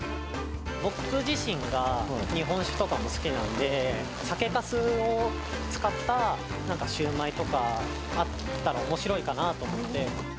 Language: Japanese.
僕自身が日本酒とかも好きなんで、酒かすを使ったシューマイとかあったらおもしろいかなと思って。